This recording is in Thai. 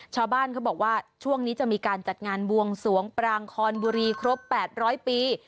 ชาวบ้านเขาบอกว่าช่วงนี้จะมีการจัดงานบวงสวงปรางคอนบุรีครบ๘๐๐ปี